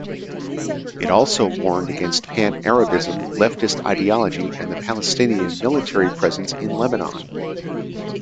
It also warned against pan-Arabism, leftist ideology and the Palestinian military presence in Lebanon.